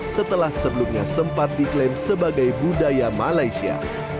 setelah sebelumnya sempat diklaim sebagai budaya malaysia